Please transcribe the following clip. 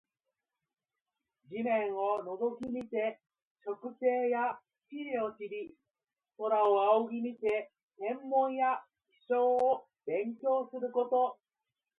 地面を覗き見て植生や地理を知り、空を仰ぎ見て天文や気象を勉強すること。